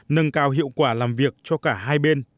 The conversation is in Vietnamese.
nâng cao hiệu quả làm việc cho cả hai bên